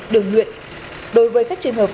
đường nguyện đối với các trường hợp